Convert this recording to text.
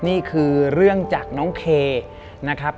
นี่คือเรื่องจากน้องเคนะครับ